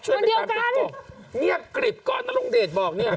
ช่วยไปการบอกนี่กริบก่อนน้องเดชบอกเนี่ย